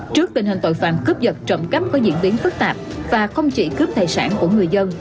trước tình hình tội phạm cướp vật trộm cắp có diễn biến phức tạp và không chỉ cướp tài sản của người dân